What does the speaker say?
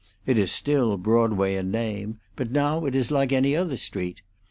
It is still Broadway in name, but now it is like any other street.